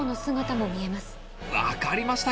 分かりましたよ